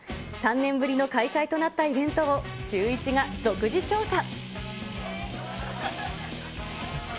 ３年ぶりの開催となったイベントを、シューイチが独自調査。